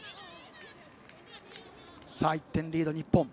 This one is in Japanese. １点リードの日本。